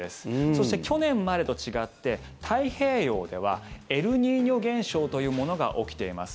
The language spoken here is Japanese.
そして、去年までと違って太平洋ではエルニーニョ現象というものが起きています。